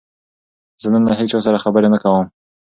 زه نن له هیچا سره خبرې نه کوم.